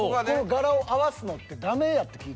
柄を合わすのってダメやって聞いてる。